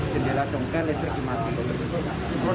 jendela congkai listrik dimatikan